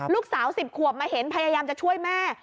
ลูกสาว๑๐ขวบมาเห็นพยายามจะช่วยแม่